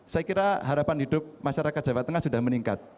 saya kira harapan hidup masyarakat jawa tengah sudah meningkat